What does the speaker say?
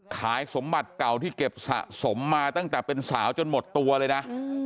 ขายสมบัติเก่าที่เก็บสะสมมาตั้งแต่เป็นสาวจนหมดตัวเลยนะ